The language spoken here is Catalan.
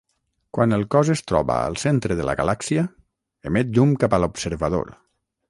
Quan el cos es troba al centre de la galàxia, emet llum cap a l'observador.